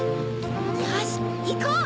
よしいこう！